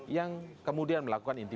yang kemudian melakukan intipati